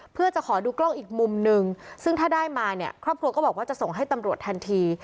เพื่อจะขอดูกล้องอีกมุมนึงซึ่งถ้าได้มาเนี่ยครอบครัวก็บอกว่าจะส่งให้ตำรวจทันที